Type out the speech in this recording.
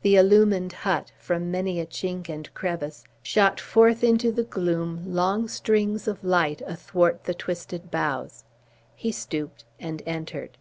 The illumined hut, from many a chink and crevice, shot forth into the gloom long streams of light athwart the twisted boughs. He stooped and entered.